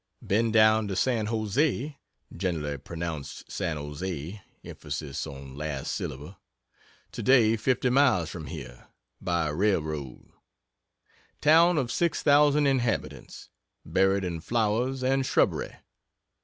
Been down to San Jose (generally pronounced Sannozay emphasis on last syllable) today fifty miles from here, by railroad. Town of 6,000 inhabitants, buried in flowers and shrubbery.